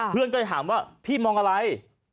เพื่อนก็เลยถามว่าพี่มองอะไร